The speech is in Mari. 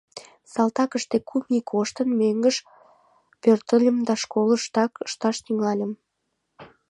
Салтакыште кум ий коштын, мӧҥгыш пӧртыльым да школыштак ышташ тӱҥальым.